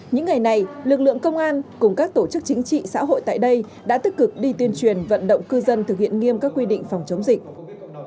những ngày này lực lượng công an cùng các tổ chức chính trị xã hội tại đây đã tích cực đi tuyên truyền vận động cư dân thực hiện nghiêm các quy định phòng chống dịch